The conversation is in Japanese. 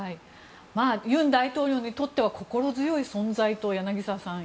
尹大統領にとっては心強い存在と柳澤さん